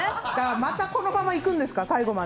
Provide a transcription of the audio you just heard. またこのままいくんですか、最後まで。